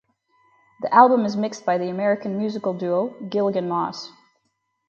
The album is mixed by the American musical duo Gilligan Moss.